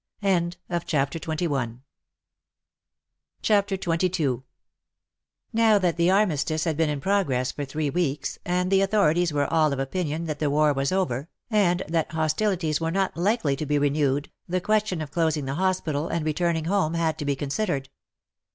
CHAPTER XXII Now that the armistice had been in progress for three weeks, and the authorities were all of opinion that the war was over, and that hostilities were not likely to be renewed, the question of closing the hospital and returning home had to be considered.